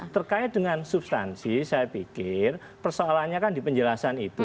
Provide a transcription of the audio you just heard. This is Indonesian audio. terkait dengan substansi saya pikir persoalannya kan di penjelasan itu